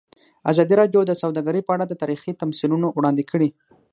ازادي راډیو د سوداګري په اړه تاریخي تمثیلونه وړاندې کړي.